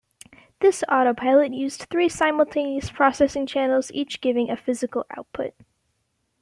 This autopilot used three simultaneous processing channels each giving a physical output.